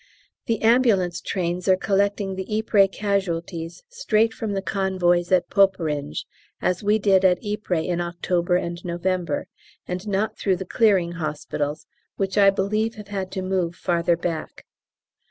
The ambulance trains are collecting the Ypres casualties straight from the convoys at Poperinghe, as we did at Ypres in October and November, and not through the Clearing Hospitals, which I believe have had to move farther back.